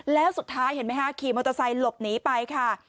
แล้วสุดท้ายเห็นไหมคะขี่มอเตอร์ไซค์หลบหนีไปค่ะ